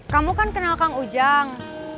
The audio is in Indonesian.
kamu kan kenal kang ujang